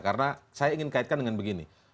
karena saya ingin kaitkan dengan begini